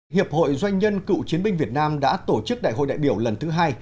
hiệp hội doanh nhân cựu chiến binh việt nam đã tổ chức đại hội đại biểu lần thứ hai